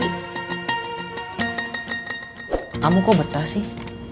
kamu kok betah sih